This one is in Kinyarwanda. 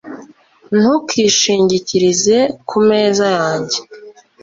ntukishingikirize ku meza yanjye